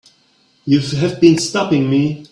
You have been stopping me.